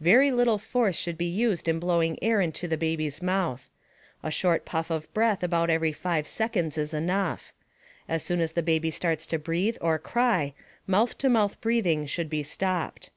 Very little force should be used in blowing air into the baby's mouth. A short puff of breath about every 5 seconds is enough. As soon as the baby starts to breathe or cry, mouth to mouth breathing should be stopped.